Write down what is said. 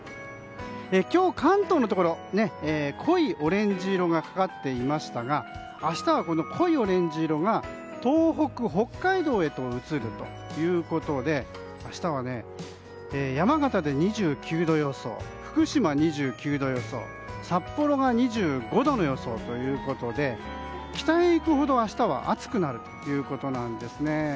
今日、関東のところ濃いオレンジ色がかかっていましたが明日は、濃いオレンジ色が東北、北海道へと移るということで明日は山形で２９度予想福島、２９度予想札幌が２５度の予想ということで北へ行くほど、明日は暑くなるということなんです。